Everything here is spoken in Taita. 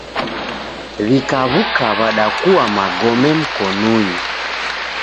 Wikawuka wadakua magome mkonunyi